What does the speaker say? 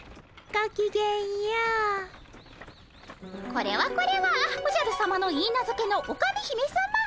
これはこれはおじゃるさまのいいなずけのオカメ姫さま。